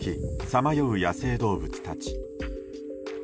さまよう野生動物たち。